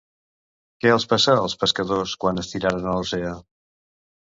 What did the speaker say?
Què els passà als pescadors quan es tiraren a l'oceà?